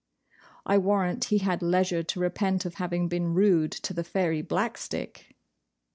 I warrant he had leisure to repent of having been rude to the Fairy Blackstick!